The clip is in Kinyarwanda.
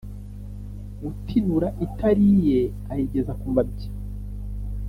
Utinura itari iye ayigeza ku mabya